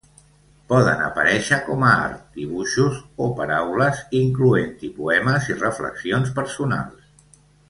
Poden aparèixer com a art, dibuixos, o paraules, incloent-hi poemes i reflexions personals.